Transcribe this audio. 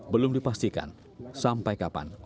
belum dipastikan sampai kapan operasi penyisilan akan berlaku